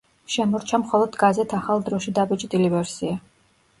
შემორჩა მხოლოდ გაზეთ „ახალ დროში“ დაბეჭდილი ვერსია.